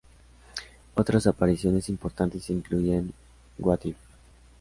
Otras apariciones importantes incluyen "What If?